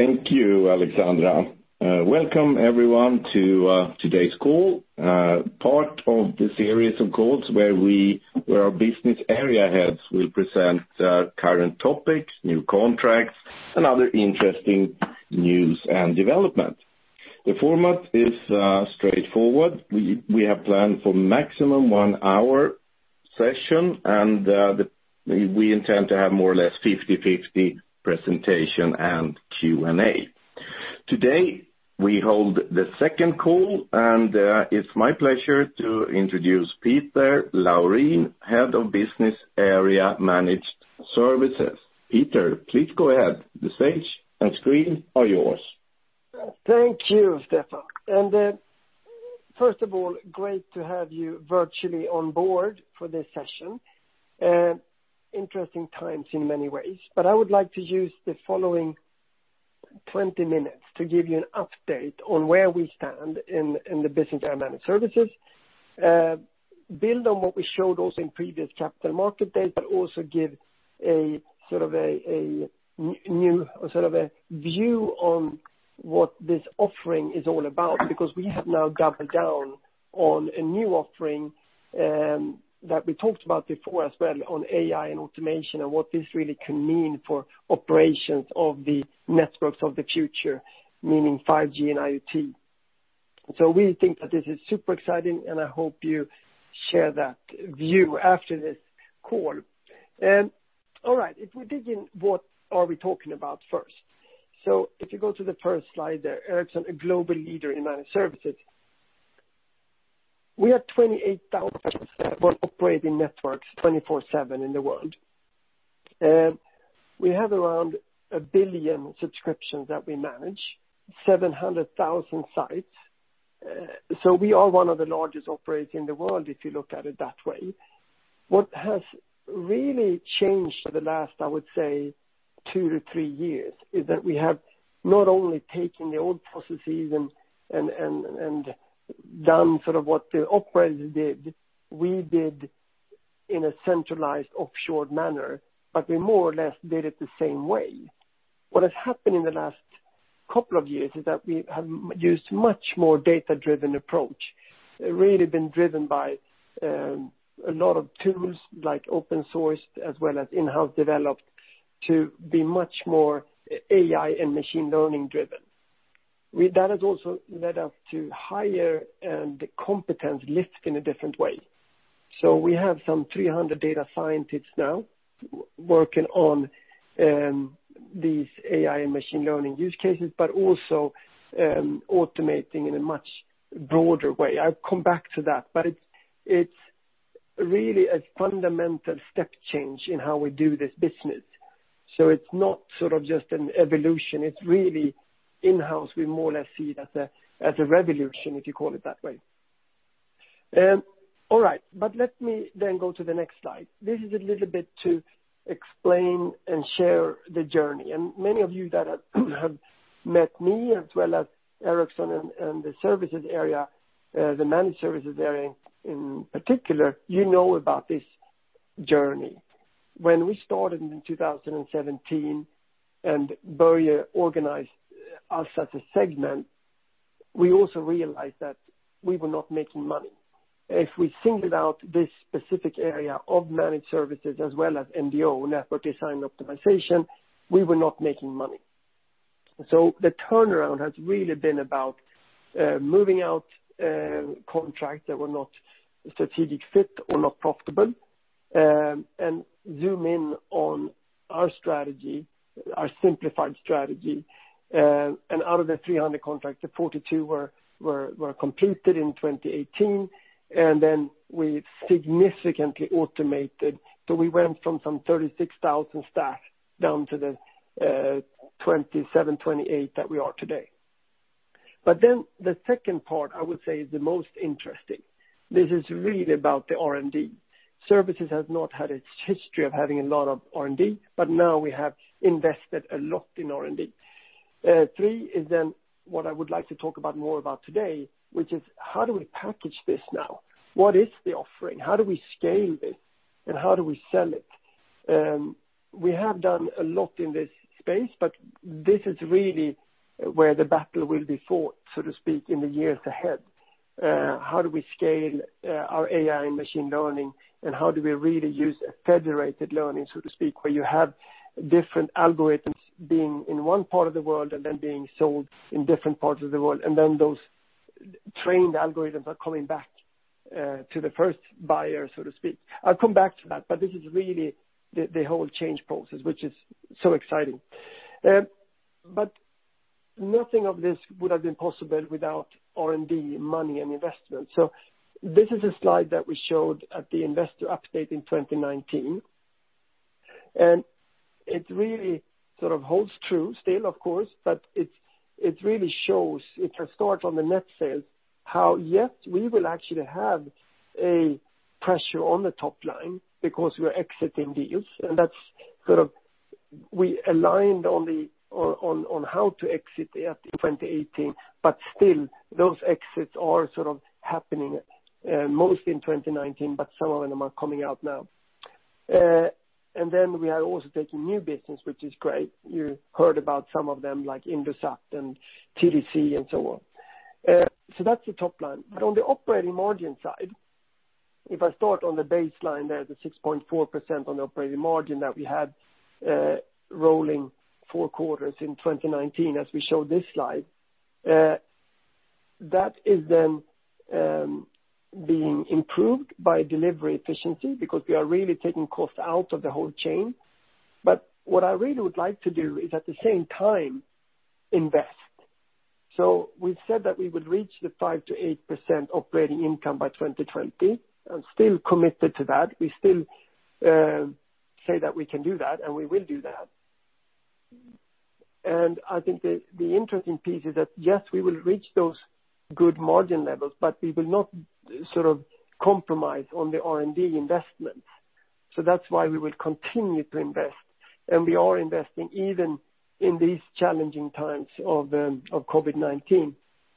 Thank you, Alexandra. Welcome everyone to today's call, part of the series of calls where our business area heads will present current topics, new contracts and other interesting news and development. The format is straightforward. We have planned for maximum one-hour session and we intend to have more or less 50/50 presentation and Q&A. Today, we hold the second call, and it's my pleasure to introduce Peter Laurin, Head of Business Area Managed Services. Peter, please go ahead. The stage and screen are yours. Thank you, Stefan. First of all, great to have you virtually on board for this session. Interesting times in many ways. I would like to use the following 20 minutes to give you an update on where we stand in the Business Area Managed Services, build on what we showed also in previous capital market days, but also give a new sort of a view on what this offering is all about, because we have now doubled down on a new offering that we talked about before as well on AI and automation and what this really can mean for operations of the networks of the future, meaning 5G and IoT. We think that this is super exciting, and I hope you share that view after this call. All right. If we dig in, what are we talking about first? If you go to the first slide there, Ericsson, a global leader in managed services. We have 28,000 people that operate in networks 24/7 in the world. We have around 1 billion subscriptions that we manage, 700,000 sites. We are one of the largest operators in the world if you look at it that way. What has really changed for the last, I would say two to three years, is that we have not only taken the old processes and done sort of what the operators did, we did in a centralized offshore manner, but we more or less did it the same way. What has happened in the last couple of years is that we have used much more data-driven approach, really been driven by a lot of tools like open source as well as in-house developed to be much more AI and machine learning driven. That has also led us to higher competence lift in a different way. We have some 300 data scientists now working on these AI and machine learning use cases, but also automating in a much broader way. I'll come back to that. It's really a fundamental step change in how we do this business. It's not just an evolution, it's really in-house. We more or less see it as a revolution, if you call it that way. All right. Let me go to the next slide. This is a little bit to explain and share the journey. Many of you that have met me as well as Ericsson and the services area, the managed services area in particular, you know about this journey. When we started in 2017 and Börje organized us as a segment, we also realized that we were not making money. If we singled out this specific area of managed services as well as NDO, network design optimization, we were not making money. The turnaround has really been about moving out contracts that were not strategic fit or not profitable, and zoom in on our strategy, our simplified strategy. Out of the 300 contracts, the 42 were completed in 2018, and then we significantly automated. We went from some 36,000 staff down to the 27, 28 that we are today. The second part, I would say, is the most interesting. This is really about the R&D. Services has not had its history of having a lot of R&D, but now we have invested a lot in R&D. Three is then what I would like to talk about more about today, which is how do we package this now? What is the offering? How do we scale this, and how do we sell it? We have done a lot in this space, but this is really where the battle will be fought, so to speak, in the years ahead. How do we scale our AI and machine learning, and how do we really use a federated learning, so to speak, where you have different algorithms being in one part of the world and then being sold in different parts of the world, and then those trained algorithms are coming back to the first buyer, so to speak. I'll come back to that. This is really the whole change process, which is so exciting. Nothing of this would have been possible without R&D, money, and investment. This is a slide that we showed at the investor update in 2019. It really sort of holds true still, of course, but it really shows if you start on the net sales, how yet we will actually have a pressure on the top line because we're exiting deals. That's sort of, we aligned on how to exit at 2018, but still those exits are sort of happening mostly in 2019, but some of them are coming out now. We are also taking new business, which is great. You heard about some of them, like Indosat and TDC, and so on. That's the top line. On the operating margin side, if I start on the baseline there, the 6.4% on the operating margin that we had rolling four quarters in 2019, as we show this slide. That is being improved by delivery efficiency because we are really taking cost out of the whole chain. What I really would like to do is, at the same time, invest. We've said that we would reach the 5%-8% operating income by 2020. I'm still committed to that. We still say that we can do that, and we will do that. I think the interesting piece is that, yes, we will reach those good margin levels, but we will not compromise on the R&D investments. That's why we will continue to invest. We are investing even in these challenging times of COVID-19.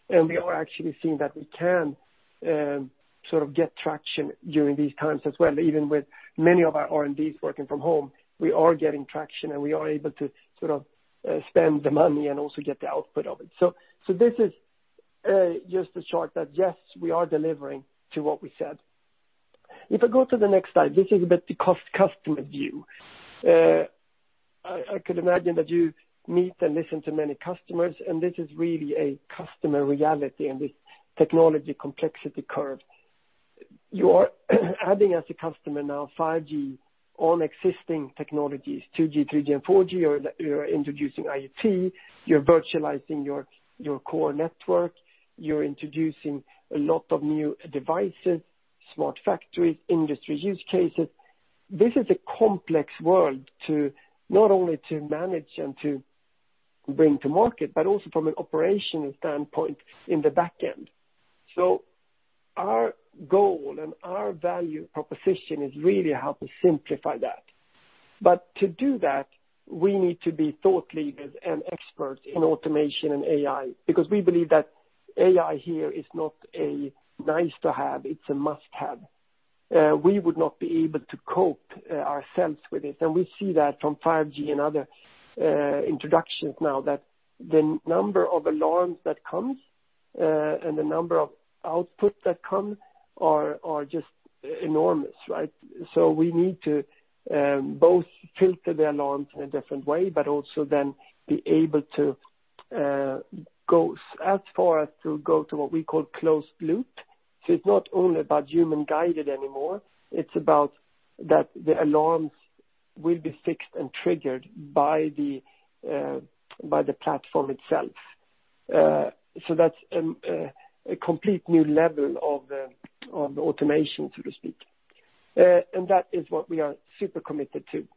We are actually seeing that we can get traction during these times as well. Even with many of our R&Ds working from home, we are getting traction, and we are able to spend the money and also get the output of it. This is just a chart that, yes, we are delivering to what we said. If I go to the next slide, this is about the cost customer view. I could imagine that you meet and listen to many customers, and this is really a customer reality and this technology complexity curve. You are adding as a customer now 5G on existing technologies, 2G, 3G, and 4G. You're introducing IoT. You're virtualizing your core network. You're introducing a lot of new devices, smart factories, industry use cases. This is a complex world, not only to manage and to bring to market, but also from an operational standpoint in the back end. Our goal and our value proposition is really how to simplify that. To do that, we need to be thought leaders and experts in automation and AI, because we believe that AI here is not a nice to have, it's a must-have. We would not be able to cope ourselves with it, and we see that from 5G and other introductions now that the number of alarms that comes and the number of outputs that come are just enormous, right? We need to both filter the alarms in a different way, but also then be able to go as far as to go to what we call closed loop. It's not only about human guided anymore. It's about that the alarms will be fixed and triggered by the platform itself. That's a complete new level of automation, so to speak. That is what we are super committed to.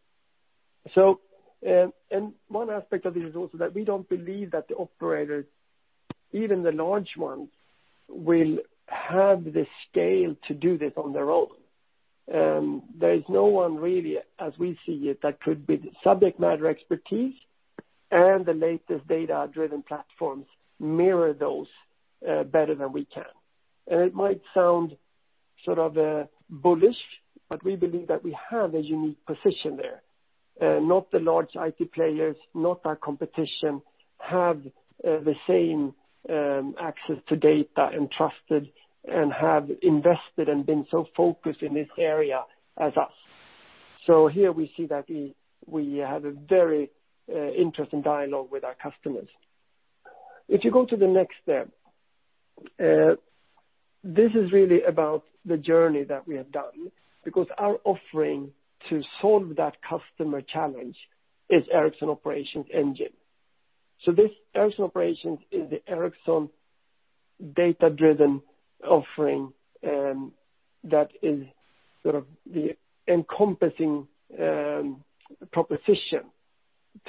One aspect of this is also that we don't believe that the operators, even the large ones, will have the scale to do this on their own. There is no one really, as we see it, that could be the subject matter expertise and the latest data-driven platforms mirror those better than we can. It might sound bullish, but we believe that we have a unique position there. Not the large IT players, not our competition, have the same access to data and trusted and have invested and been so focused in this area as us. Here we see that we have a very interesting dialogue with our customers. If you go to the next step, this is really about the journey that we have done, because our offering to solve that customer challenge is Ericsson Operations Engine. This Ericsson Operations is the Ericsson data-driven offering that is the encompassing proposition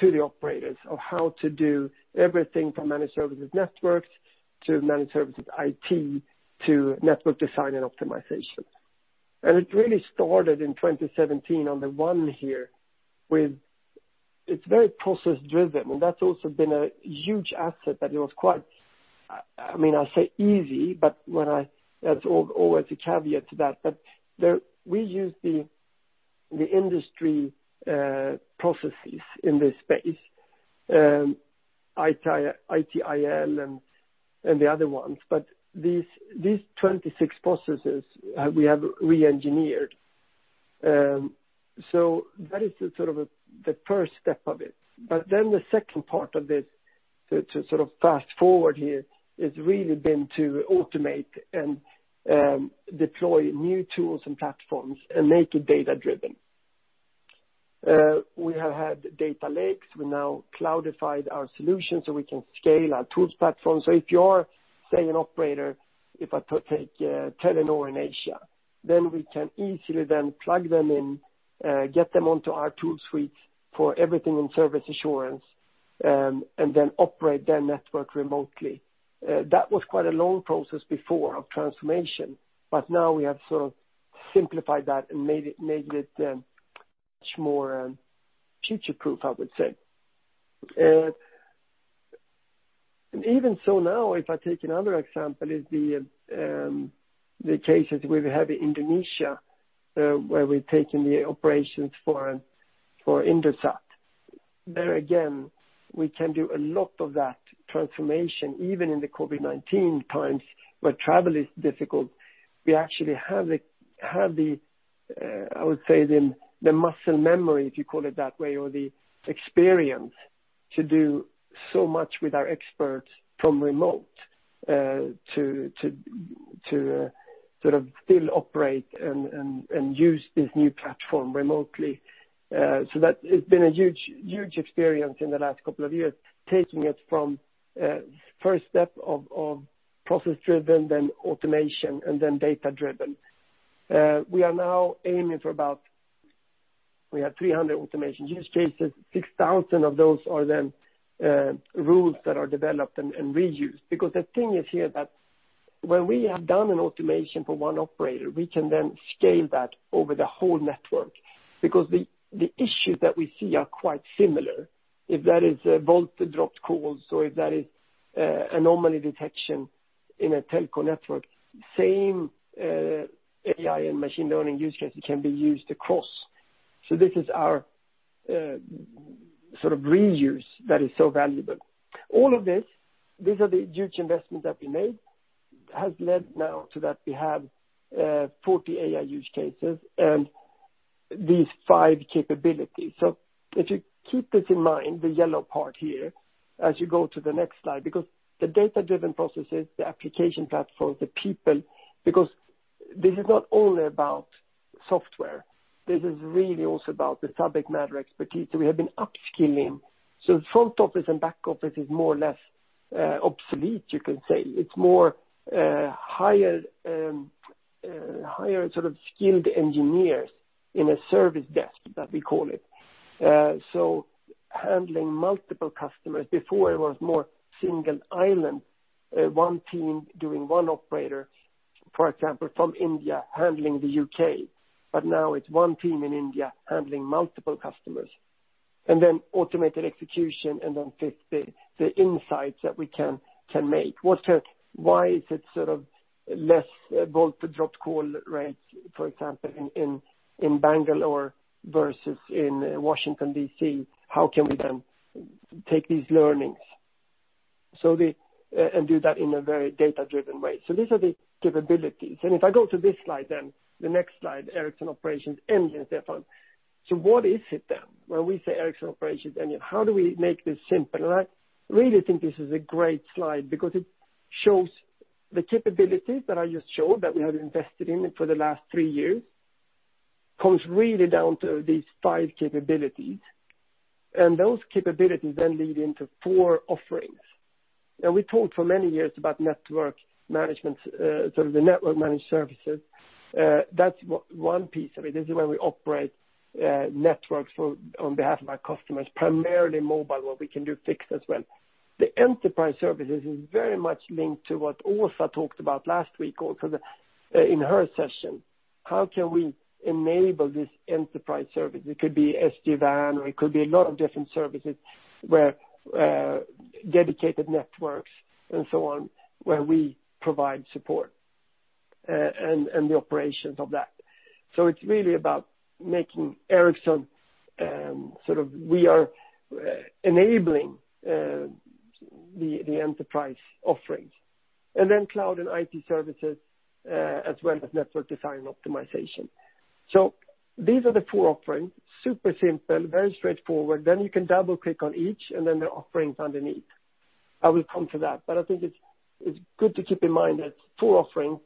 to the operators of how to do everything from managed services networks to Managed Services IT, to network design and optimization. It really started in 2017 on the one here. It's very process-driven, and that's also been a huge asset that it was quite, I'll say easy, but there's always a caveat to that. We use the industry processes in this space, ITIL and the other ones. These 26 processes we have re-engineered. That is the first step of it. The second part of this, to fast-forward here, has really been to automate and deploy new tools and platforms and make it data-driven. We have had data lakes. We now cloudified our solution so we can scale our tools platform. If you're, say, an operator, if I take Telenor in Asia, then we can easily then plug them in, get them onto our tool suite for everything in service assurance, and then operate their network remotely. That was quite a long process before of transformation, but now we have simplified that and made it much more future-proof, I would say. Even so now, if I take another example, is the cases we have in Indonesia, where we've taken the operations for Indosat. There again, we can do a lot of that transformation even in the COVID-19 times, where travel is difficult. We actually have, I would say, the muscle memory, if you call it that way, or the experience to do so much with our experts from remote to still operate and use this new platform remotely. That has been a huge experience in the last couple of years, taking it from first step of process-driven, then automation, and then data-driven. We have 300 automation use cases. 6,000 of those are then rules that are developed and reused. The thing is here that when we have done an automation for one operator, we can then scale that over the whole network, because the issues that we see are quite similar. If that is voice dropped calls, or if that is anomaly detection in a telco network, same AI and machine learning use cases can be used across. This is our reuse that is so valuable. All of this, these are the huge investments that we made, has led now to that we have 40 AI use cases and these five capabilities. If you keep this in mind, the yellow part here, as you go to the next slide, because the data-driven processes, the application platform, the people, because this is not only about software. This is really also about the subject matter expertise that we have been upskilling. Front office and back office is more or less obsolete, you can say. It's more higher sort of skilled engineers in a service desk that we call it, handling multiple customers. Before it was more single island, one team doing one operator, for example, from India handling the U.K. Now it's one team in India handling multiple customers. Automated execution, then fifth, the insights that we can make. Why is it less voice dropped call rates, for example, in Bangalore versus in Washington, D.C.? How can we then take these learnings and do that in a very data-driven way? These are the capabilities. If I go to this slide then, the next slide, Ericsson Operations Engine, Stefan. What is it then when we say Ericsson Operations Engine? How do we make this simple? I really think this is a great slide because it shows the capabilities that I just showed, that we have invested in for the last three years, comes really down to these five capabilities. Those capabilities then lead into four offerings. We talked for many years about network management, sort of the network managed services. That's one piece of it. This is where we operate networks on behalf of our customers, primarily mobile, but we can do fixed as well. The enterprise services is very much linked to what Åsa talked about last week in her session. How can we enable this enterprise service? It could be SD-WAN, or it could be a lot of different services where dedicated networks and so on, where we provide support and the operations of that. It's really about We are enabling the enterprise offerings. Cloud and IT services, as well as network design optimization. These are the four offerings, super simple, very straightforward. You can double-click on each and then the offerings underneath. I will come to that. I think it's good to keep in mind that four offerings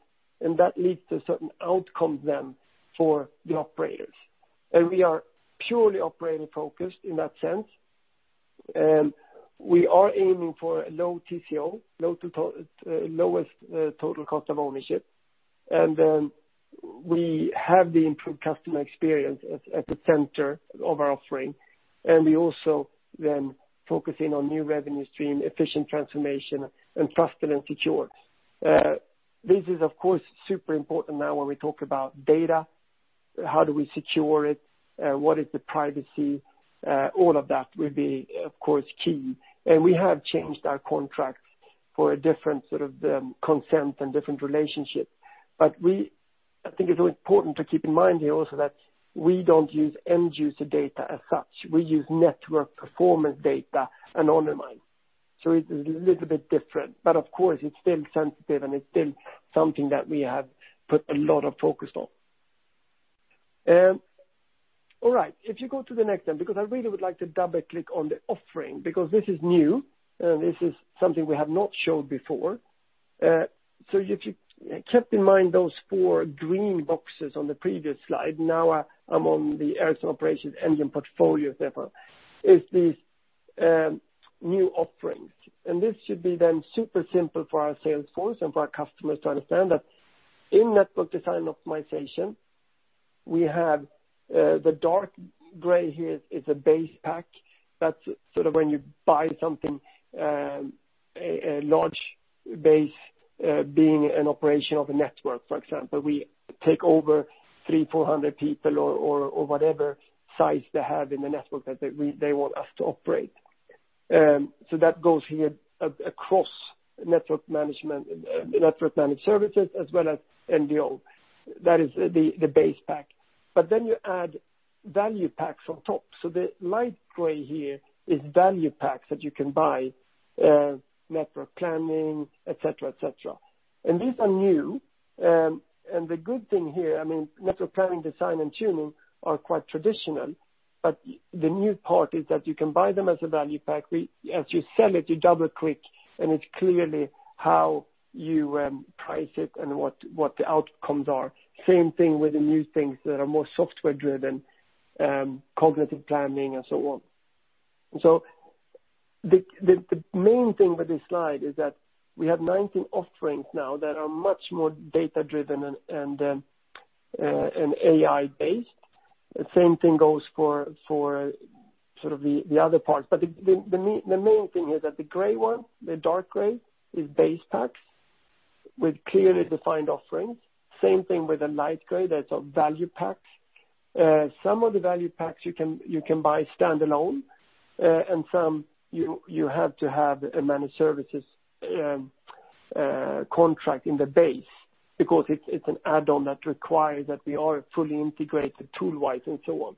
and that leads to certain outcomes then for the operators. We are purely operator-focused in that sense. We are aiming for a low TCO, lowest total cost of ownership. We have the improved customer experience at the center of our offering. We also then focus in on new revenue stream, efficient transformation, and trusted and secured. This is of course, super important now when we talk about data, how do we secure it? What is the privacy? All of that will be, of course, key. We have changed our contracts for a different sort of consent and different relationship. I think it's important to keep in mind here also that we don't use end user data as such. We use network performance data and anonymized. It's a little bit different, but of course, it's still sensitive and it's still something that we have put a lot of focus on. All right. If you go to the next then, because I really would like to double-click on the offering, because this is new and this is something we have not showed before. If you kept in mind those four green boxes on the previous slide, now I'm on the Ericsson Operations Engine portfolio, Stefan, is these new offerings. This should be then super simple for our sales force and for our customers to understand that in network design optimization, we have the dark gray here is a base pack. That's sort of when you buy something, a large-base being an operation of a network, for example. We take over 300, 400 people or whatever size they have in the network that they want us to operate. That goes here across network managed services as well as NDO. That is the base pack. You add value packs on top. The light gray here is value packs that you can buy, network planning, et cetera. These are new. The good thing here, network planning, design, and tuning are quite traditional, but the new part is that you can buy them as a value pack. As you sell it, you double-click, and it's clearly how you price it and what the outcomes are. Same thing with the new things that are more software-driven, cognitive planning and so on. The main thing with this slide is that we have 19 offerings now that are much more data-driven and AI-based. The same thing goes for the other parts. The main thing here is that the gray one, the dark gray, is base packs with clearly defined offerings. Same thing with the light gray, that's our value packs. Some of the value packs you can buy standalone, and some you have to have a Managed Services contract in the base because it's an add-on that requires that we are fully integrated tool wise and so on.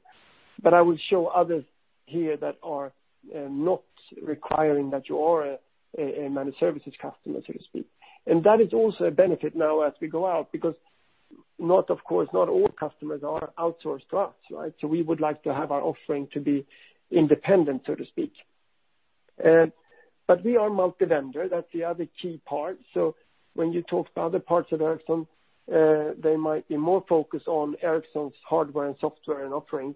I will show others here that are not requiring that you are a Managed Services customer, so to speak. That is also a benefit now as we go out, because, of course, not all customers are outsourced to us. We would like to have our offering to be independent, so to speak. We are multi-vendor. That's the other key part. When you talk to other parts of Ericsson, they might be more focused on Ericsson's hardware and software and offerings.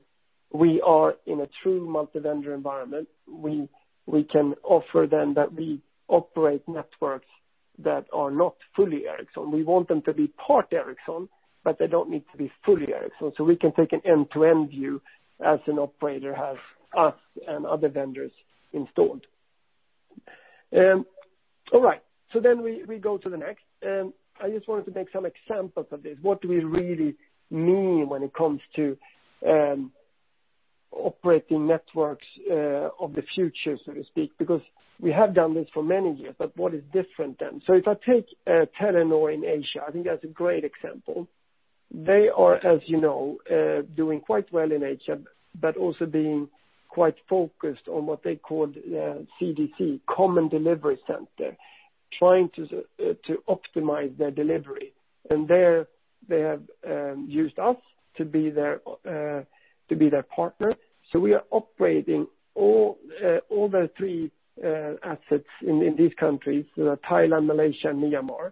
We are in a true multi-vendor environment. We can offer them that we operate networks that are not fully Ericsson. We want them to be part Ericsson, but they don't need to be fully Ericsson. We can take an end-to-end view as an operator has us and other vendors installed. All right. We go to the next. I just wanted to make some examples of this. What do we really mean when it comes to operating networks of the future, so to speak? We have done this for many years, but what is different then? If I take Telenor in Asia, I think that's a great example. They are, as you know, doing quite well in Asia, but also being quite focused on what they call CDC, Common Delivery Center, trying to optimize their delivery. There, they have used us to be their partner. We are operating all their three assets in these countries, Thailand, Malaysia, and Myanmar,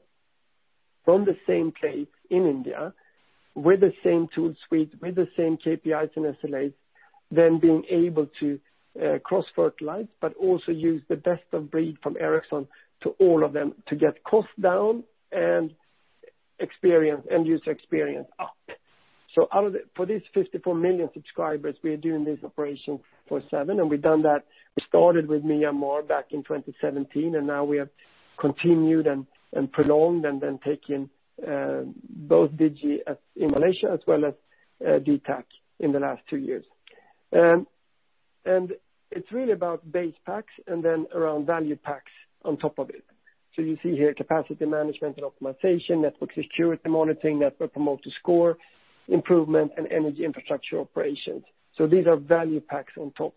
from the same place in India with the same tool suite, with the same KPIs and SLAs, then being able to cross-fertilize, but also use the best of breed from Ericsson to all of them to get cost down and end-user experience up. For these 54 million subscribers, we are doing this operation for seven, and we've done that. We started with Myanmar back in 2017, now we have continued and prolonged and then taken both Digi in Malaysia as well as DTAC in the last two years. It's really about base packs and then around value packs on top of it. You see here capacity management and optimization, network security monitoring, Net Promoter Score improvement, and energy infrastructure operations. These are value packs on top.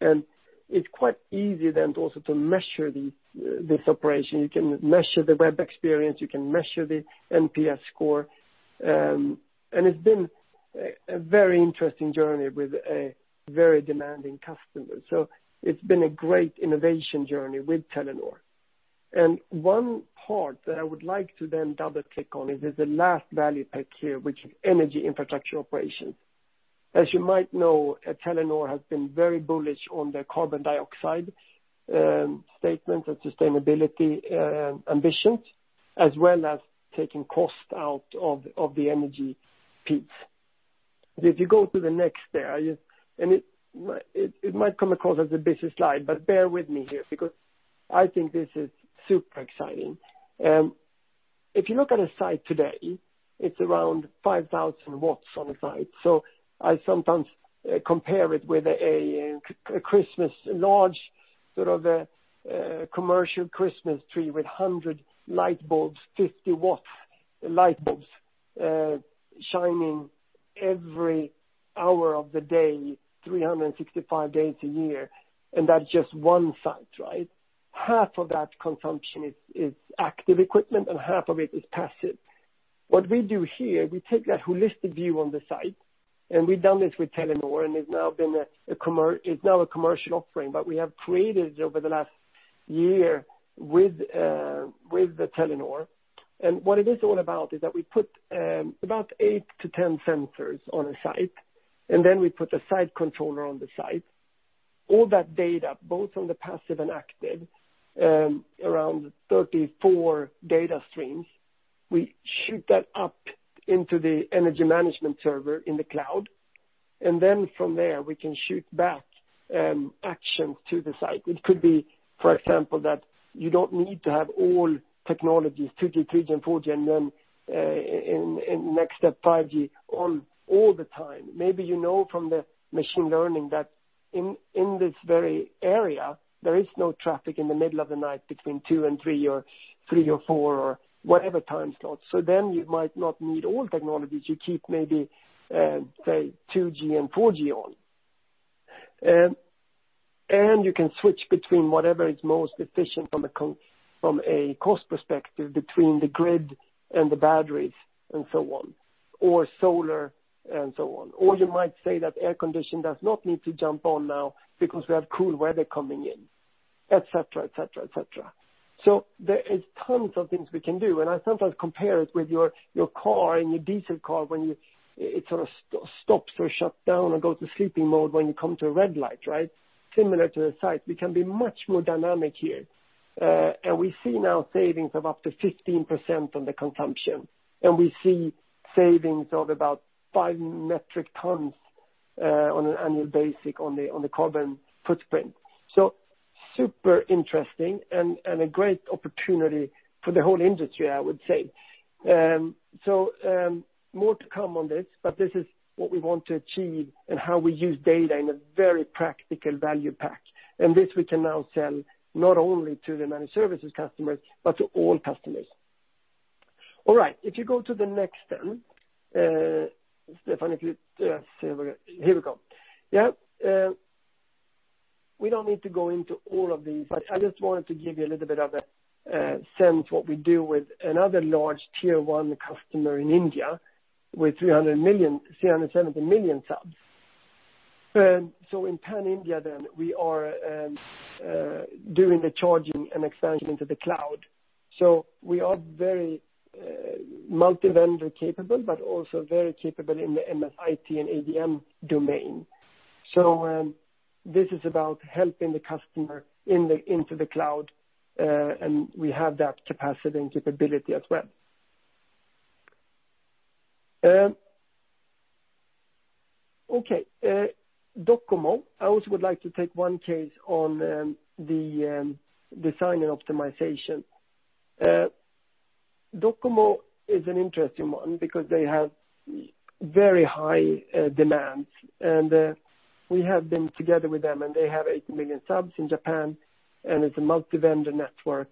It's quite easy then also to measure this operation. You can measure the web experience, you can measure the NPS score. It's been a very interesting journey with a very demanding customer. It's been a great innovation journey with Telenor. One part that I would like to then double-click on is the last value pack here, which is energy infrastructure operations. As you might know, Telenor has been very bullish on their carbon dioxide statement and sustainability ambitions, as well as taking cost out of the energy piece. If you go to the next there, and it might come across as a busy slide, but bear with me here because I think this is super exciting. If you look at a site today, it's around 5,000 watts on a site. I sometimes compare it with a large commercial Christmas tree with 100 light bulbs, 50-watt light bulbs, shining every hour of the day, 365 days a year. That's just one site. Half of that consumption is active equipment, and half of it is passive. What we do here, we take that holistic view on the site, and we've done this with Telenor, and it's now a commercial offering, but we have created over the last year with Telenor. What it is all about is that we put about eight to 10 sensors on a site, and then we put a site controller on the site. All that data, both on the passive and active, around 34 data streams, we shoot that up into the energy management server in the cloud. From there we can shoot back action to the site. It could be, for example, that you don't need to have all technologies, 2G, 3G, and 4G, and then in the next step, 5G, on all the time. Maybe you know from the machine learning that in this very area, there is no traffic in the middle of the night between 2:00 and 3:00 or 3:00 or 4:00 or whatever time slots. Then you might not need all technologies. You keep maybe, say, 2G and 4G on. You can switch between whatever is most efficient from a cost perspective between the grid and the batteries and so on, or solar and so on. You might say that air con does not need to jump on now because we have cool weather coming in, et cetera. There is tons of things we can do, and I sometimes compare it with your car and your diesel car when it sort of stops or shut down or goes to sleeping mode when you come to a red light, right? Similar to the site. We can be much more dynamic here. We see now savings of up to 15% on the consumption. We see savings of about five metric tons, on an annual basis on the carbon footprint. Super interesting and a great opportunity for the whole industry, I would say. More to come on this, but this is what we want to achieve and how we use data in a very practical value pack. This we can now sell not only to the Managed Services customers, but to all customers. All right. If you go to the next then. Stefan. Here we go. Yeah. We don't need to go into all of these, but I just wanted to give you a little bit of a sense what we do with another large tier one customer in India with 370 million subs. In pan-India then, we are doing the charging and expansion into the cloud. We are very multi-vendor capable, but also very capable in the MS IT and ADM domain. This is about helping the customer into the cloud, and we have that capacity and capability as well. Okay. Docomo, I also would like to take one case on the design and optimization. Docomo is an interesting one because they have very high demands, and we have been together with them, and they have 8 million subs in Japan, and it's a multi-vendor network.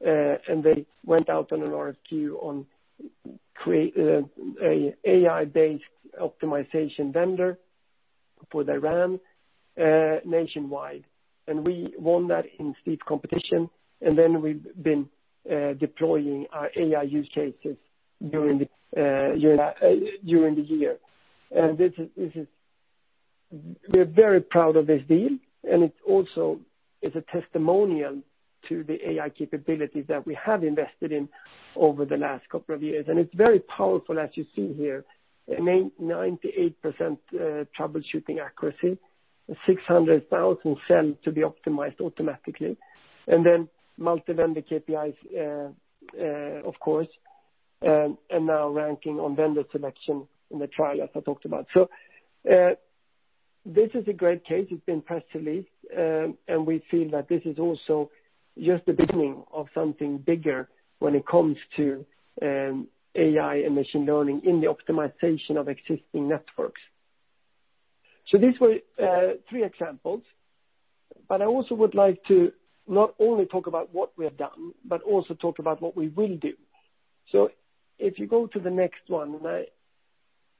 They went out on an RFQ on create a AI-based optimization vendor for their RAN nationwide. We won that in steep competition, and then we've been deploying our AI use cases during the year. We're very proud of this deal, and it also is a testimonial to the AI capabilities that we have invested in over the last couple of years. It's very powerful, as you see here, a 98% troubleshooting accuracy, 600,000 cell to be optimized automatically. Multi-vendor KPIs, of course, and now ranking on vendor selection in the trial as I talked about. This is a great case. It's been press released. We feel that this is also just the beginning of something bigger when it comes to AI and machine learning in the optimization of existing networks. These were three examples, but I also would like to not only talk about what we have done, but also talk about what we will do. If you go to the next one, and I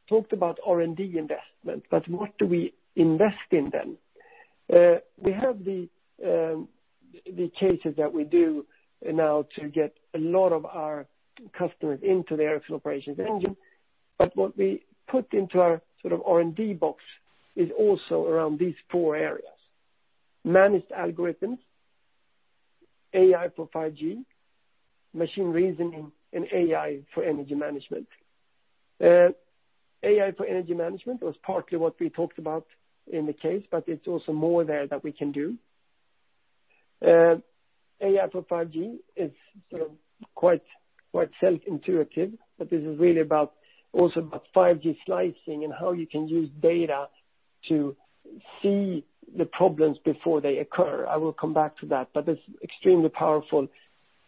talked about R&D investment, but what do we invest in then? We have the cases that we do now to get a lot of our customers into the Ericsson Operations Engine. What we put into our sort of R&D box is also around these four areas: managed algorithms, AI for 5G, machine reasoning, and AI for energy management. AI for energy management was partly what we talked about in the case, but it's also more there that we can do. AI for 5G is sort of quite self-intuitive, but this is really about also about 5G slicing and how you can use data to see the problems before they occur. I will come back to that, but it's extremely powerful,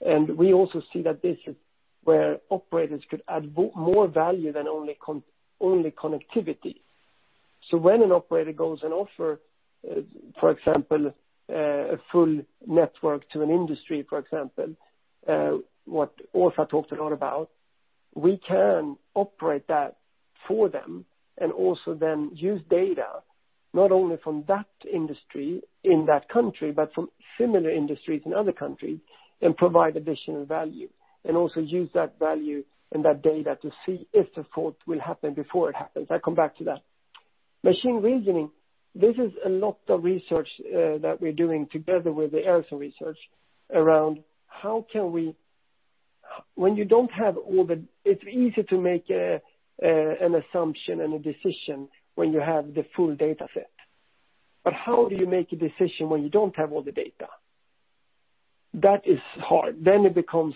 and we also see that this is where operators could add more value than only connectivity. When an operator goes and offer, for example, a full network to an industry, for example, what Åsa talked a lot about, we can operate that for them and also then use data, not only from that industry in that country, but from similar industries in other countries, and provide additional value. Use that value and that data to see if the fault will happen before it happens. I'll come back to that. Machine reasoning. This is a lot of research that we're doing together with Ericsson Research around. It's easy to make an assumption and a decision when you have the full data set. How do you make a decision when you don't have all the data? That is hard. It becomes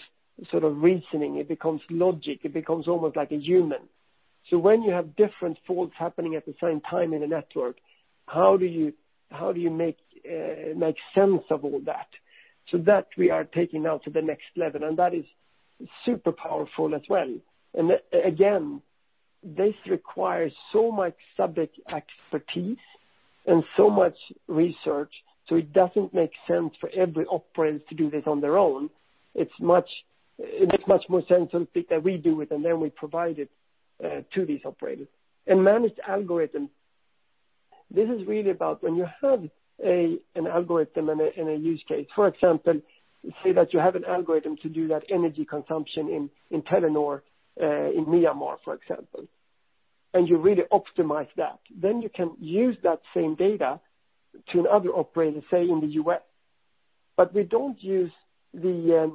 reasoning, it becomes logic. It becomes almost like a human. When you have different faults happening at the same time in a network, how do you make sense of all that? That we are taking now to the next level, and that is super powerful as well. Again, this requires so much subject expertise and so much research, so it doesn't make sense for every operator to do this on their own. It makes much more sense to think that we do it and then we provide it to these operators. Managed algorithm, this is really about when you have an algorithm in a use case. For example, say that you have an algorithm to do that energy consumption in Telenor, in Myanmar, for example, and you really optimize that. You can use that same data to another operator, say, in the U.S. We don't use the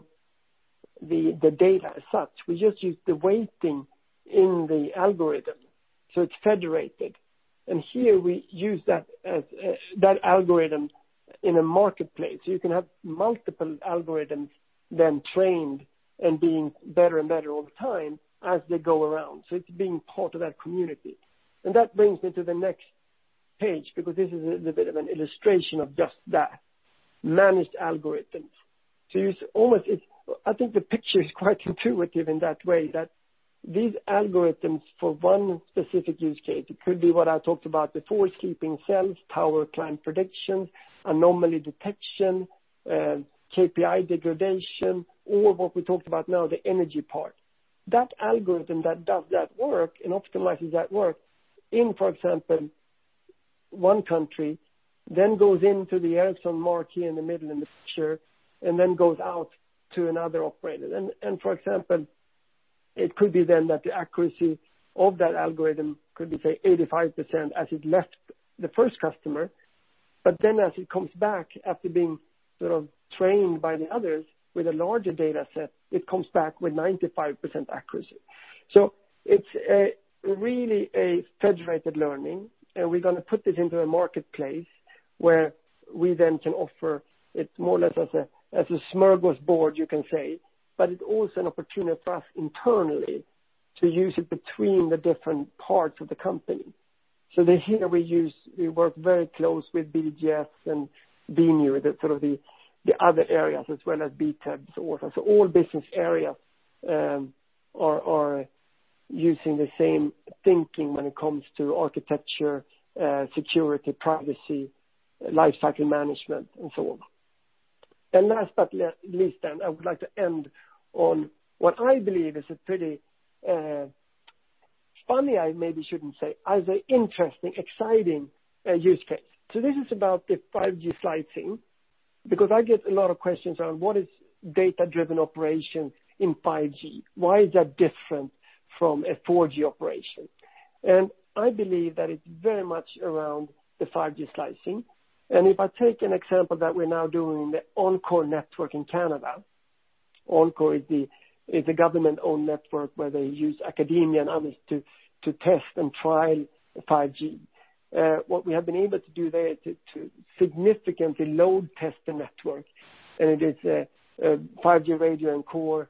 data as such. We just use the weighting in the algorithm. It's federated. Here we use that algorithm in a marketplace. You can have multiple algorithms then trained and being better and better all the time as they go around. It's being part of that community. That brings me to the next page, because this is a bit of an illustration of just that, managed algorithms. I think the picture is quite intuitive in that way, that these algorithms for one specific use case, it could be what I talked about before, sleeping cells, power climb prediction, anomaly detection, KPI degradation, or what we talked about now, the energy part. That algorithm that does that work and optimizes that work in, for example, one country, then goes into the Ericsson marquee in the middle in the picture, and then goes out to another operator. For example, it could be that the accuracy of that algorithm could be, say, 85% as it left the first customer, but then as it comes back after being trained by the others with a larger data set, it comes back with 95% accuracy. It's really a federated learning, and we're going to put this into a marketplace where we then can offer it more or less as a smorgasbord, you can say. It's also an opportunity for us internally to use it between the different parts of the company. Here we work very close with BDGS and BNET, the other areas as well as BTEB. All business areas are using the same thinking when it comes to architecture, security, privacy, life cycle management, and so on. Last but least, I would like to end on what I believe is an interesting, exciting use case. This is about the 5G slicing, because I get a lot of questions around what is data-driven operation in 5G? Why is that different from a 4G operation? I believe that it's very much around the 5G slicing. If I take an example that we're now doing in the ENCQOR network in Canada. ENCQOR is the government-owned network where they use academia and others to test and trial 5G. What we have been able to do there to significantly load test the network, and it is a 5G radio and core,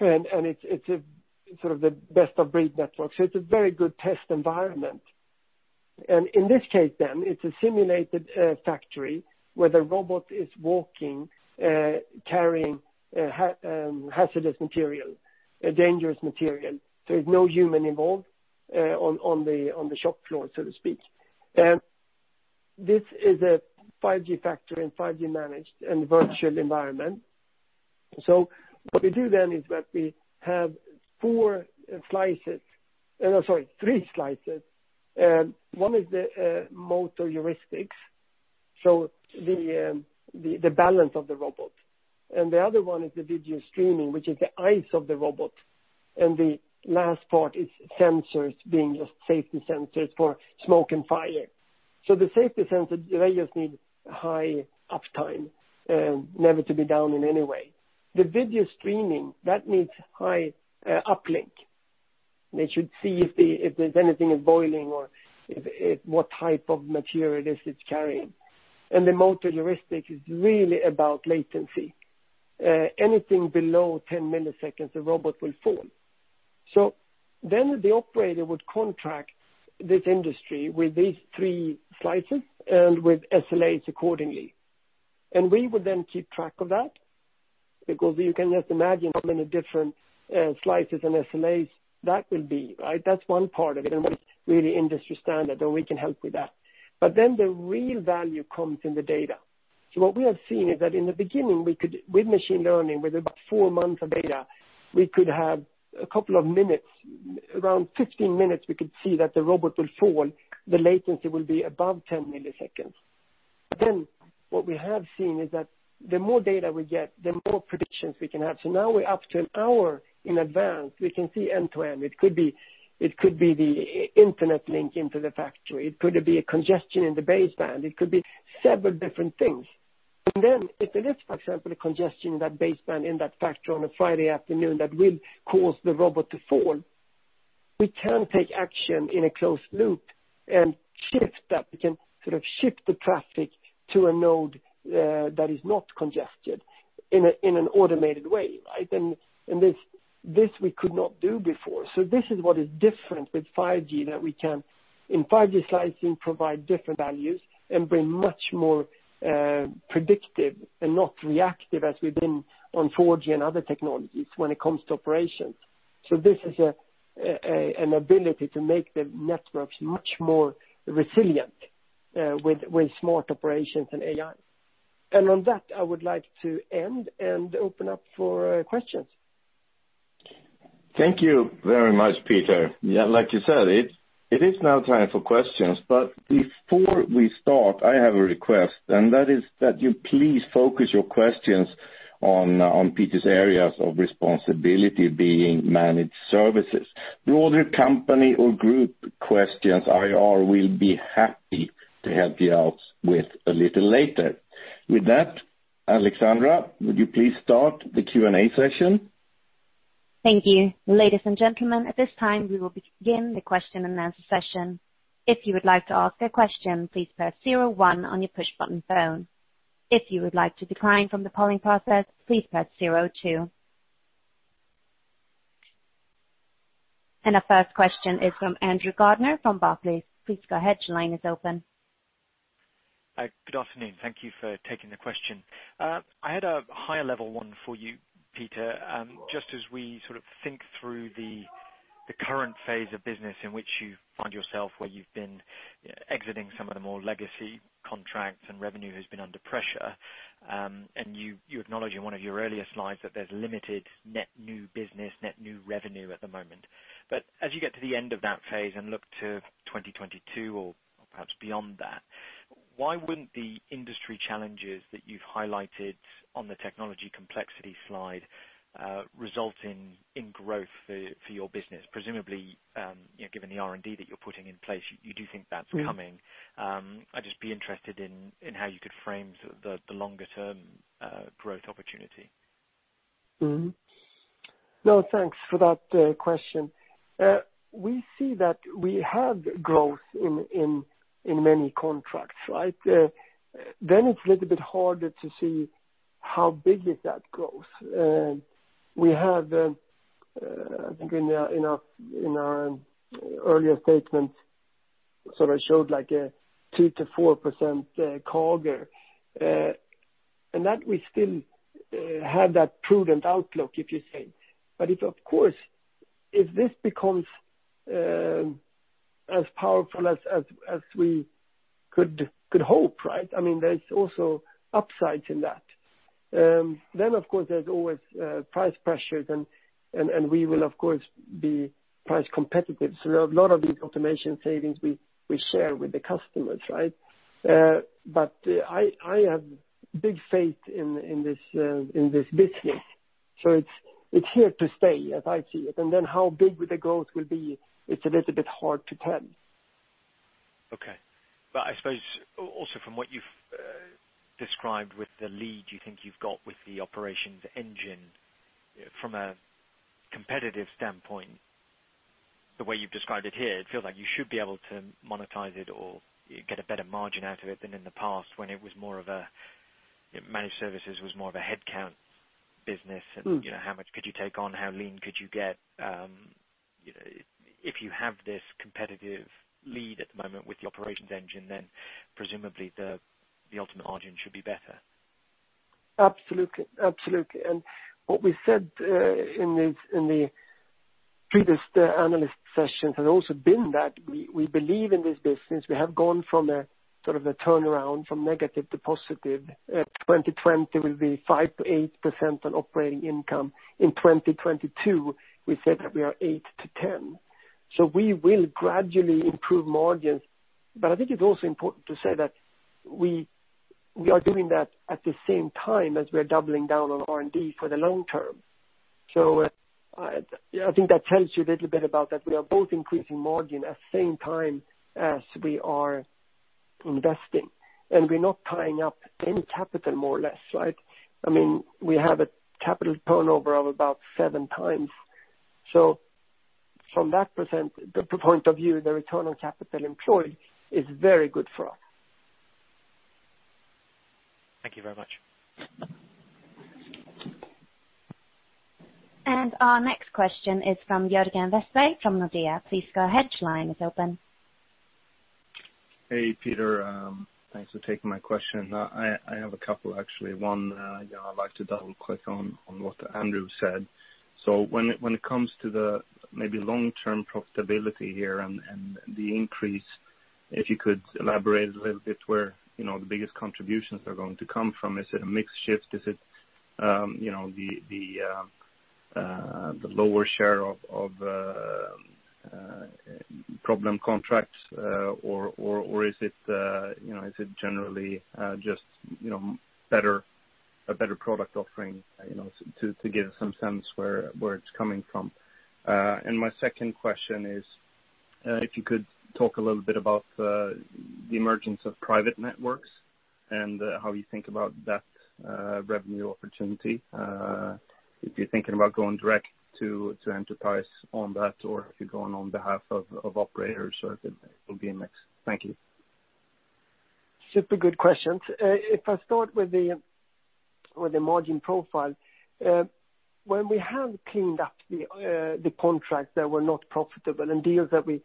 and it's the best of breed network. It's a very good test environment. In this case, it's a simulated factory where the robot is walking, carrying hazardous material, dangerous material. There is no human involved on the shop floor, so to speak. This is a 5G factory and 5G managed and virtual environment. What we do then is that we have four slices, sorry, three slices. One is the motor heuristics, so the balance of the robot. The other one is the video streaming, which is the eyes of the robot. The last part is sensors being just safety sensors for smoke and fire. The safety sensors, they just need high uptime, never to be down in any way. The video streaming, that needs high uplink. They should see if there's anything is boiling or what type of material it is it's carrying. The motor heuristic is really about latency. Anything below 10 ms, the robot will fall. The operator would contract this industry with these three slices and with SLAs accordingly. We would then keep track of that because you can just imagine how many different slices and SLAs that will be, right? That's one part of it and that's really industry standard, and we can help with that. The real value comes in the data. What we have seen is that in the beginning, with machine learning, with about four months of data, we could have a couple of minutes, around 15 minutes, we could see that the robot will fall, the latency will be above 10 ms. What we have seen is that the more data we get, the more predictions we can have. Now we're up to an hour in advance. We can see end to end. It could be the internet link into the factory. It could be a congestion in the baseband. It could be several different things. If there is, for example, a congestion in that baseband in that factory on a Friday afternoon that will cause the robot to fall. We can take action in a closed loop and shift that. We can sort of shift the traffic to a node that is not congested in an automated way. This we could not do before. This is what is different with 5G, that we can, in 5G slicing, provide different values and be much more predictive and not reactive as we've been on 4G and other technologies when it comes to operations. This is an ability to make the networks much more resilient with smart operations and AI. On that, I would like to end and open up for questions. Thank you very much, Peter. Yeah, like you said, it is now time for questions. Before we start, I have a request, and that is that you please focus your questions on Peter's areas of responsibility, being managed services. Broader company or group questions, IR will be happy to help you out with a little later. With that, Alexandra, would you please start the Q&A session? Thank you. Ladies and gentlemen, at this time, we will begin the question-and-answer session. If you would like to ask a question, please press zero one on your push button phone. If you would like to decline from the polling process, please press zero two. Our first question is from Andrew Gardiner from Barclays. Please go ahead. Your line is open. Good afternoon. Thank you for taking the question. I had a higher level one for you, Peter. Just as we sort of think through the current phase of business in which you find yourself, where you've been exiting some of the more legacy contracts and revenue has been under pressure. You acknowledged in one of your earlier slides that there's limited net new business, net new revenue at the moment. As you get to the end of that phase and look to 2022 or perhaps beyond that, why wouldn't the industry challenges that you've highlighted on the technology complexity slide result in growth for your business? Presumably, given the R&D that you're putting in place, you do think that's coming. I'd just be interested in how you could frame the longer-term growth opportunity. Thanks for that question. We see that we have growth in many contracts. It's a little bit harder to see how big is that growth. We have, I think in our earlier statement, sort of showed a 2%-4% CAGR. That we still have that prudent outlook, if you say. If, of course, if this becomes as powerful as we could hope, there's also upsides in that. Of course, there's always price pressures, and we will, of course, be price competitive. A lot of these automation savings we share with the customers. I have big faith in this business. It's here to stay as I see it. How big the growth will be, it's a little bit hard to tell. Okay. I suppose also from what you've described with the lead you think you've got with the Ericsson Operations Engine from a competitive standpoint, the way you've described it here, it feels like you should be able to monetize it or get a better margin out of it than in the past when managed services was more of a headcount business. How much could you take on, how lean could you get? If you have this competitive lead at the moment with the Operations Engine, then presumably the ultimate margin should be better. Absolutely. What we said in the previous analyst sessions has also been that we believe in this business, we have gone from a sort of a turnaround from negative to positive. 2020 will be 5%-8% on operating income. In 2022, we said that we are 8%-10%. We will gradually improve margins. I think it's also important to say that we are doing that at the same time as we're doubling down on R&D for the long term. I think that tells you a little bit about that we are both increasing margin at the same time as we are investing. We're not tying up any capital, more or less. We have a capital turnover of about seven times. From that point of view, the return on capital employed is very good for us. Thank you very much. Our next question is from Jurgen Westey from Nordea. Please go ahead, your line is open. Hey, Peter. Thanks for taking my question. I have a couple, actually. One, I'd like to double-click on what Andrew said. When it comes to the maybe long-term profitability here and the increase, if you could elaborate a little bit where the biggest contributions are going to come from? Is it a mix shift? Is it the lower share of problem contracts? Is it generally just a better product offering, to give some sense where it's coming from? My second question is, if you could talk a little bit about the emergence of private networks and how you think about that revenue opportunity. If you're thinking about going direct to enterprise on that or if you're going on behalf of operators, or if it will be a mix? Thank you. Super good questions. I start with the margin profile, when we have cleaned up the contracts that were not profitable and deals that we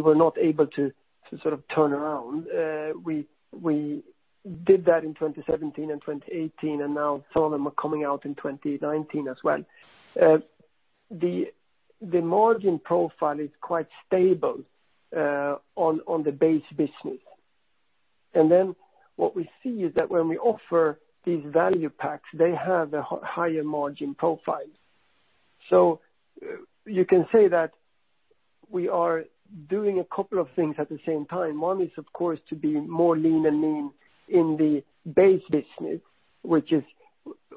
were not able to turn around, we did that in 2017 and 2018, and now some of them are coming out in 2019 as well. The margin profile is quite stable on the base business. What we see is that when we offer these value packs, they have a higher margin profile. You can say that we are doing a couple of things at the same time. One is, of course, to be more lean and mean in the base business, which is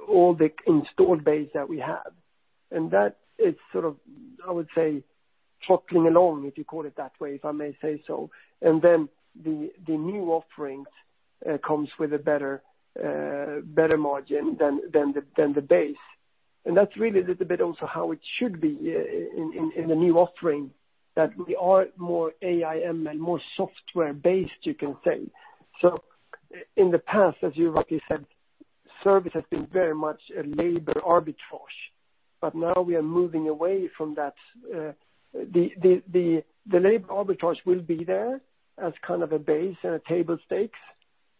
all the installed base that we have. That is, I would say, throttling along, if you call it that way, if I may say so. The new offerings comes with a better margin than the base. That's really a little bit also how it should be in the new offering, that we are more AI, ML, more software-based, you can say. In the past, as you rightly said, service has been very much a labor arbitrage. Now we are moving away from that. The labor arbitrage will be there as kind of a base and a table stake,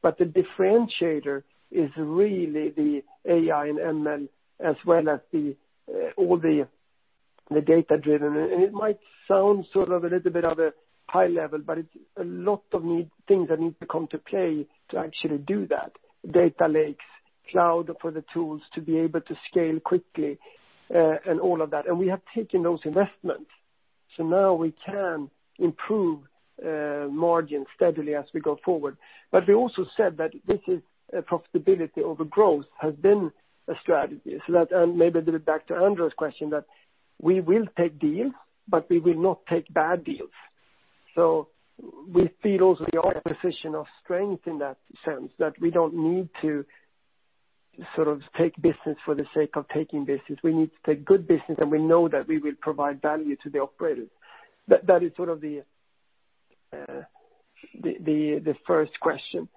but the differentiator is really the AI and ML, as well as all the data-driven. It might sound sort of a little bit of a high level, but it's a lot of things that need to come to play to actually do that. Data lakes, cloud for the tools to be able to scale quickly, and all of that. We have taken those investments. Now we can improve margins steadily as we go forward. We also said that this is a profitability over growth has been a strategy. That, and maybe a little bit back to Andrew's question, that we will take deals, but we will not take bad deals. We feel also we are in a position of strength in that sense, that we don't need to take business for the sake of taking business. We need to take good business, and we know that we will provide value to the operators. That is the first question.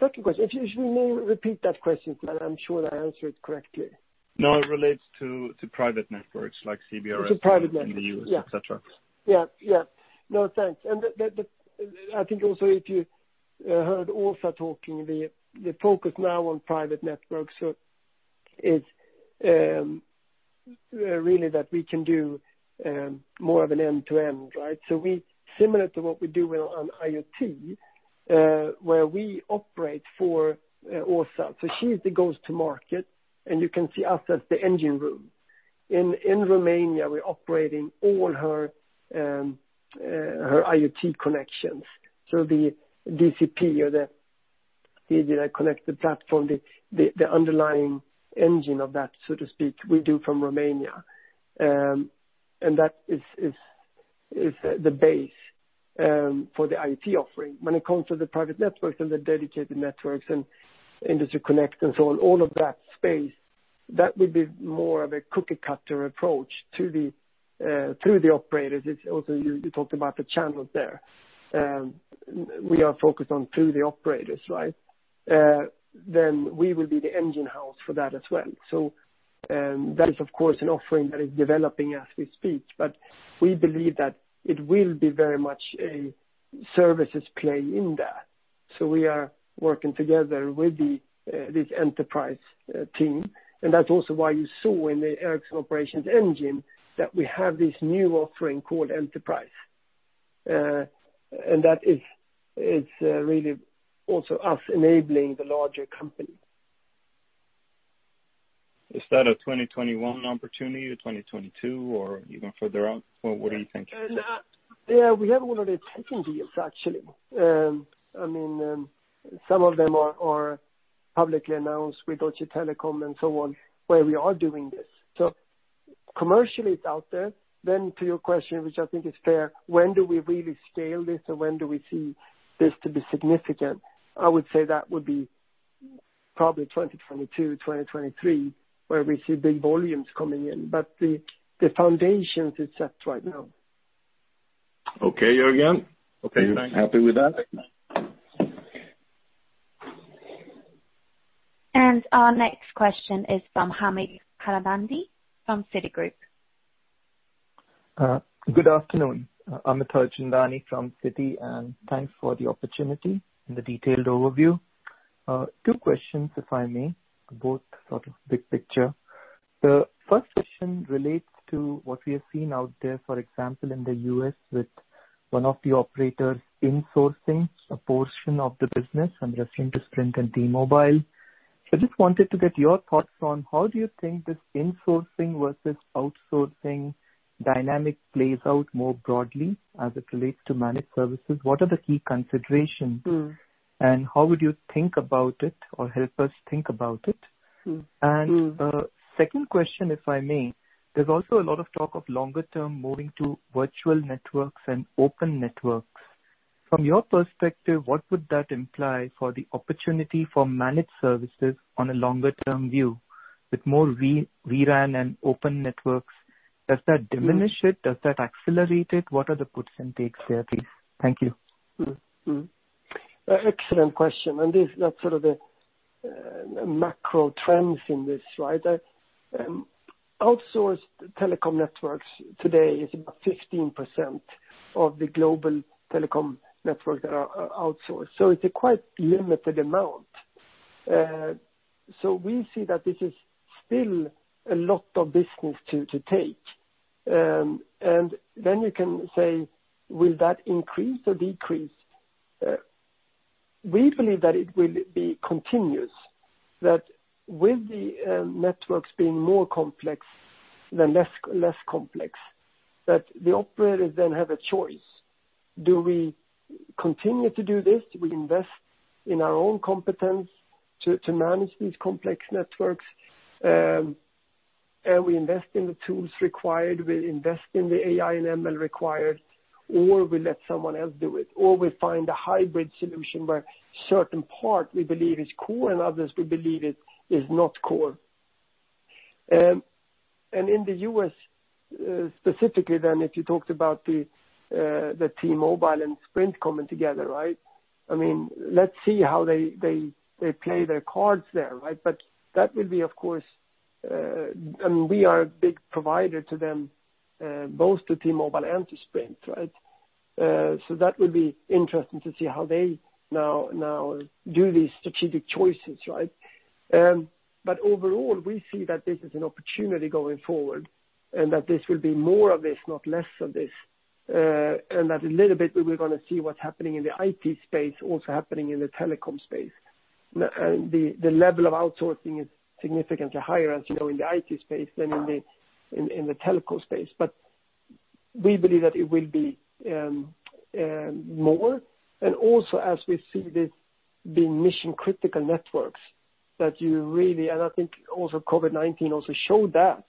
Second question. If you may repeat that question, I'm sure I answered correctly. No, it relates to private networks like CBRS. To private networks. in the U.S., et cetera. Yeah. No, thanks. I think also if you heard Åsa talking, the focus now on private networks, so it's really that we can do more of an end-to-end, right? Similar to what we do on IoT, where we operate for Åsa. She's the goes-to-market, and you can see us as the engine room. In Romania, we're operating all her IoT connections. The DCP or the Device Connection Platform, the platform, the underlying engine of that, so to speak, we do from Romania. That is the base for the IoT offering. When it comes to the private networks and the dedicated networks and Industry Connect and so on, all of that space, that would be more of a cookie cutter approach to the operators. It's also you talked about the channels there. We are focused on through the operators, right? We will be the engine house for that as well. That is, of course, an offering that is developing as we speak. We believe that it will be very much a services play in that. We are working together with this enterprise team, and that's also why you saw in the Ericsson Operations Engine that we have this new offering called Enterprise. That is really also us enabling the larger company. Is that a 2021 opportunity or 2022 or even further out? What are you thinking? Yeah, we have already taken deals, actually. Some of them are publicly announced with Deutsche Telekom and so on, where we are doing this. Commercially it's out there. To your question, which I think is fair, when do we really scale this or when do we see this to be significant? I would say that would be probably 2022, 2023, where we see big volumes coming in. The foundations is set right now. Okay, Jurgen. Okay, thanks. Happy with that? Our next question is from Amit Kalabandi from Citigroup. Good afternoon. Amit Kalabandi from Citi, Thanks for the opportunity and the detailed overview. Two questions, if I may. Both sort of big picture. The first question relates to what we have seen out there, for example, in the U.S. with one of the operators insourcing a portion of the business. I'm referring to Sprint and T-Mobile. I just wanted to get your thoughts on how do you think this insourcing versus outsourcing dynamic plays out more broadly as it relates to managed services? What are the key considerations? And how would you think about it or help us think about it? Second question, if I may. There's also a lot of talk of longer-term moving to virtual networks and open networks. From your perspective, what would that imply for the opportunity for managed services on a longer term view with more vRAN and open networks? Does that diminish it? Does that accelerate it? What are the puts and takes there, please? Thank you. Excellent question. That's sort of the macro trends in this, right? Outsourced telecom networks today is about 15% of the global telecom networks that are outsourced. It's a quite limited amount. We see that this is still a lot of business to take. Then you can say, will that increase or decrease? We believe that it will be continuous, that with the networks being more complex, then less complex, that the operators then have a choice. Do we continue to do this? Do we invest in our own competence to manage these complex networks? We invest in the tools required, we invest in the AI and ML required, or we let someone else do it. We find a hybrid solution where certain part we believe is core and others we believe is not core. In the U.S. specifically, if you talked about the T-Mobile and Sprint coming together. Let's see how they play their cards there. We are a big provider to them, both to T-Mobile and to Sprint. That will be interesting to see how they now do these strategic choices. Overall, we see that this is an opportunity going forward, and that this will be more of this, not less of this. That a little bit we're going to see what's happening in the IT space also happening in the telecom space. The level of outsourcing is significantly higher, as you know, in the IT space than in the telecom space. We believe that it will be more. Also as we see this being mission-critical networks, that you really, and I think also COVID-19 also showed that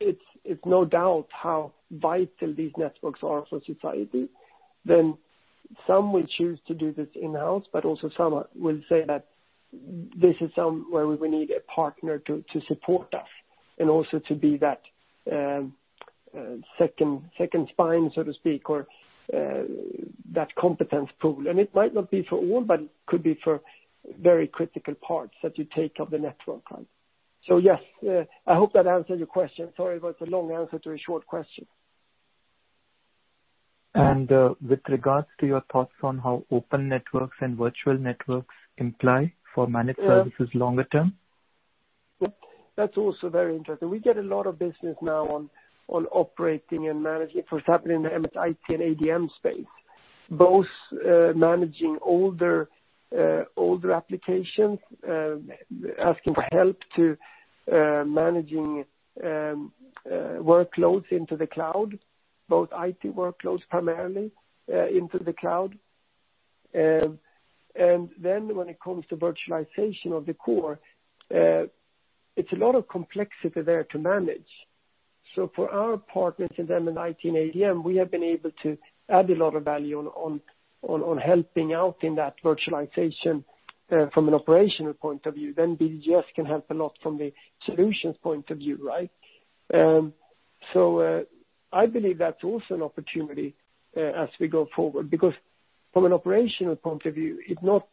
it's no doubt how vital these networks are for society. Some will choose to do this in-house, but also some will say that this is somewhere we will need a partner to support us and also to be that second spine, so to speak, or that competence pool. It might not be for all, but could be for very critical parts that you take of the network. Yes. I hope that answered your question. Sorry about the long answer to a short question. With regards to your thoughts on how open networks and virtual networks imply for managed services longer-term? That's also very interesting. We get a lot of business now on operating and managing. It was happening in the MSIT and ADM space, both managing older applications, asking for help to managing workloads into the cloud, both IT workloads primarily into the cloud. When it comes to virtualization of the core, it's a lot of complexity there to manage. For our partners in MSIT and ADM, we have been able to add a lot of value on helping out in that virtualization from an operational point of view. BdGS can help a lot from the solutions point of view. I believe that's also an opportunity as we go forward, because from an operational point of view, it's not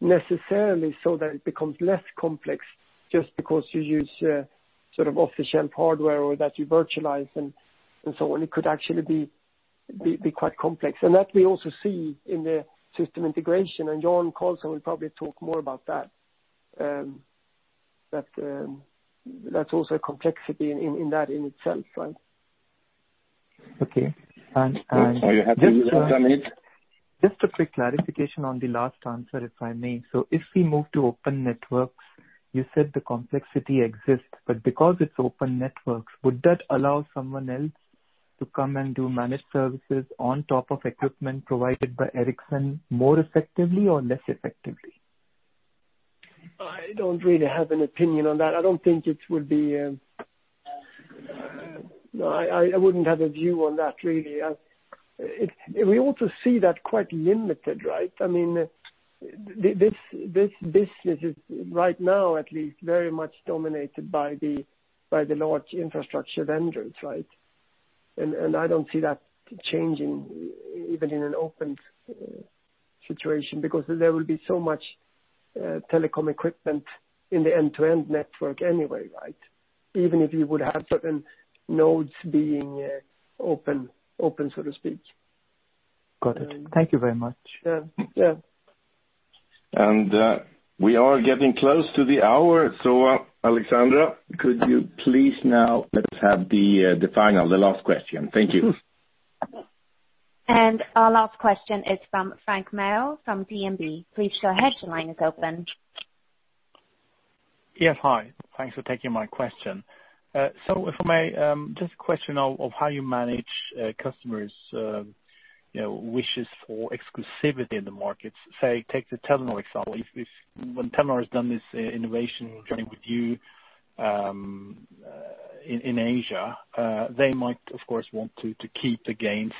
necessarily so that it becomes less complex just because you use sort of off-the-shelf hardware or that you virtualize and so on. It could actually be quite complex. That we also see in the system integration, and Jan Karlsson will probably talk more about that. That's also a complexity in that in itself. Okay. Are you happy with that, Amit? Just a quick clarification on the last answer, if I may. If we move to open networks, you said the complexity exists, but because it's open networks, would that allow someone else to come and do managed services on top of equipment provided by Ericsson more effectively or less effectively? I don't really have an opinion on that. I wouldn't have a view on that, really. We also see that quite limited. This business is right now at least very much dominated by the large infrastructure vendors. I don't see that changing even in an open situation because there will be so much telecom equipment in the end-to-end network anyway. Even if you would have certain nodes being open, so to speak. Got it. Thank you very much. Yeah. We are getting close to the hour. Alexandra, could you please now let us have the final, the last question. Thank you. Our last question is from Frank Merrill from DNB. Please go ahead. Your line is open. Yes, hi. Thanks for taking my question. If I may, just a question of how you manage customers' wishes for exclusivity in the markets. Say, take the Telenor example. When Telenor has done this innovation journey with you in Asia, they might, of course, want to keep the gains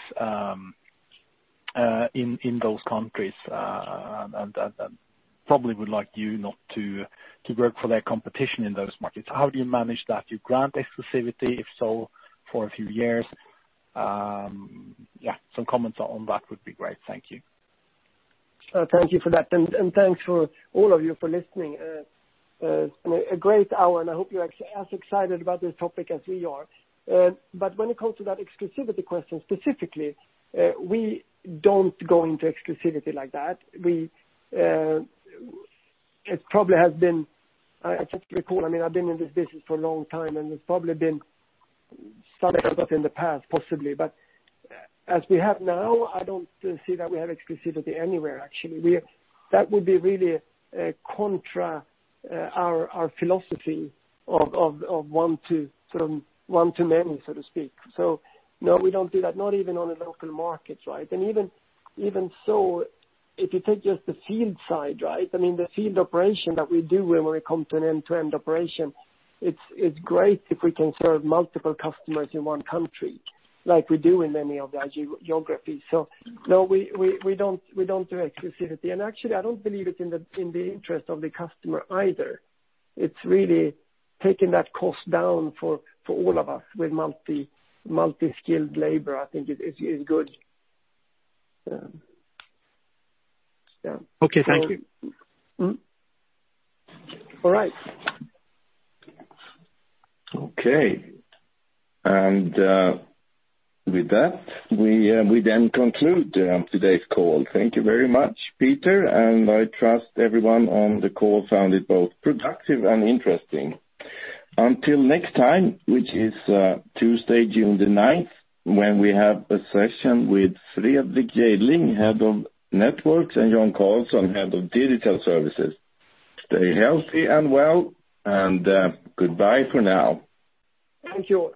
in those countries, and probably would like you not to work for their competition in those markets. How do you manage that? You grant exclusivity? If so, for a few years? Yeah, some comments on that would be great. Thank you. Thank you for that. Thanks all of you for listening. A great hour. I hope you're as excited about this topic as we are. When it comes to that exclusivity question specifically, we don't go into exclusivity like that. I can't recall. I've been in this business for a long time, and there's probably been some in the past, possibly. As we have now, I don't see that we have exclusivity anywhere, actually. That would be really contra our philosophy of one to many, so to speak. No, we don't do that, not even on a local market, right? Even so, if you take just the field side, right? The field operation that we do when we come to an end-to-end operation, it's great if we can serve multiple customers in one country, like we do in many of the geographies. No, we don't do exclusivity. Actually, I don't believe it's in the interest of the customer either. It's really taking that cost down for all of us with multi-skilled labor. I think it is good. Yeah. Okay, thank you. All right. Okay. With that, we then conclude today's call. Thank you very much, Peter, and I trust everyone on the call found it both productive and interesting. Until next time, which is Tuesday, June the 9th, when we have a session with Fredrik Jejdling, Head of Networks, and Jan Karlsson, Head of Digital Services. Stay healthy and well, and goodbye for now. Thank you.